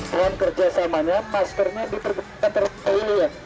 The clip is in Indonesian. pem microorganismnya maskernya dipergunakan terentai